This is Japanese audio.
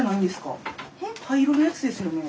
灰色のやつですよね？